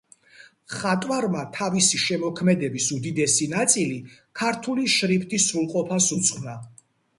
მხატვარმა თავისი შემოქმედების უდიდესი ნაწილი ქართული შრიფტის სრულყოფას უძღვნა.